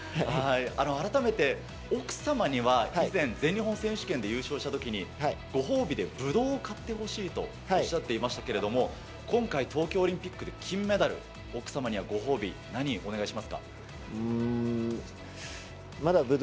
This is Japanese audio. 改めて奥様には以前、全日本選手権で優勝したときに、ご褒美でぶどうを買ってほしいとおっしゃっていましたけれども、今回、東京オリンピックで金メダル、奥様にはご褒美、何お願いしますか。